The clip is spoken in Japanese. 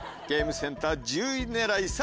⁉ゲームセンター１０位狙い。